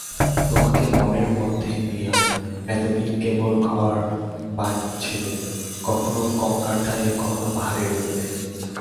তোমাকে মনের মধ্যে নিয়ে এতদিন কেবল ঘর বানাচ্ছিলুম–কখনো গঙ্গার ধারে, কখনো পাহাড়ের উপরে।